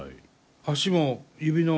足も指の。